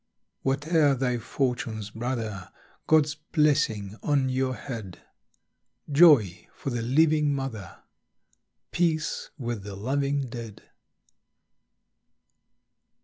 Whate'er thy fortunes, brother! God's blessing on your head; Joy for the living mother, Peace with the loving dead.